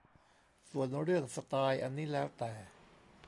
ส่วนเรื่องสไตล์อันนี้แล้วแต่